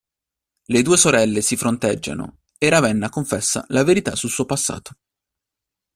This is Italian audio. Le due sorelle si fronteggiano e Ravenna confessa la verità sul suo passato.